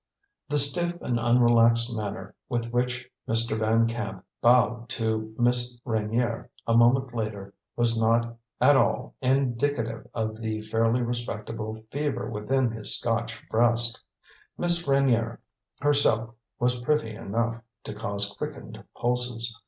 The stiff and unrelaxed manner with which Mr. Van Camp bowed to Miss Reynier a moment later was not at all indicative of the fairly respectable fever within his Scotch breast. Miss Reynier herself was pretty enough to cause quickened pulses.